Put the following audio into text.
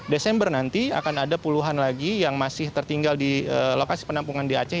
desember nanti akan ada puluhan lagi yang masih tertinggal di lokasi penampungan di aceh